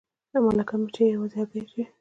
ملکه مچۍ یوازې هګۍ اچوي